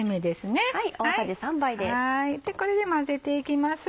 これで混ぜていきます。